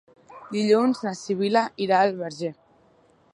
Dilluns na Sibil·la irà al Verger.